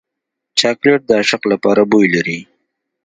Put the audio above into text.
چاکلېټ د عاشق لپاره بوی لري.